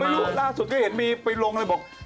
ไม่รู้ล่าล่าสุดก็เห็นไปลงเลยบอก